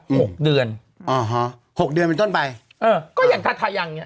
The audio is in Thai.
หกเดือนอ่าฮะหกเดือนเป็นต้นไปเออก็อย่างทาทายังเนี้ย